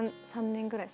３年ぐらい。